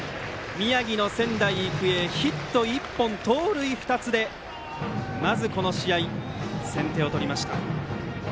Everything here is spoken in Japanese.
宮城の仙台育英、ヒット１本盗塁２つで、この試合先手を取りました。